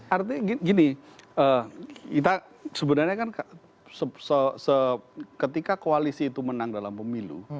artinya gini kita sebenarnya kan ketika koalisi itu menang dalam pemilu